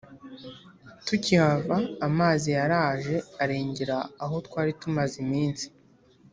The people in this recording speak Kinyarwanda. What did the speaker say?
tukihava amazi yaraje arengera aho twari tumaze iminsi